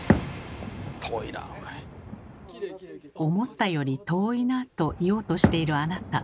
「思ったより遠いな」と言おうとしているあなた。